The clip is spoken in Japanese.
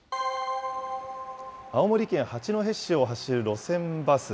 青森県八戸市を走る路線バス。